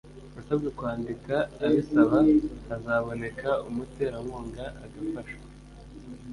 Yasabwe kwandika abisaba hazaboneka umuterankunga agafashwa